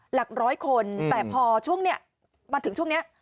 หลักร้อยคนแต่พอช่วงนี้มาถึงช่วงนี้